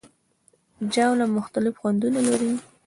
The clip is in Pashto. ژاوله مختلف خوندونه لري.